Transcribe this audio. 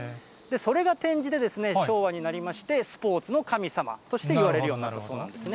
それが転じて、昭和になりまして、スポーツの神様としていわれるようになったそうなんですね。